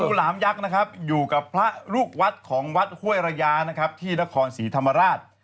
เผยงูหลามยักษ์อยู่กับพระลูกวัดของวัดห้วยระยาที่นครศรีธรรมราช